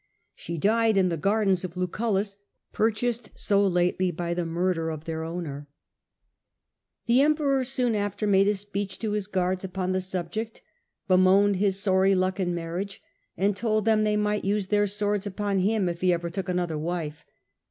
She died in the gardens of Lucullus, purchased so lately by the murder of their owner. A.D. 41 54. Claudius, 95 The Emperor soon after made a speech to his guards upon the subject, bemoaned his sorry luck in marriage, and told them they might use their swords upon him if he ever took another wife.